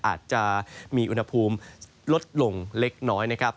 อาจจะมีอุณหภูมิลดลงเล็กน้อยนะครับ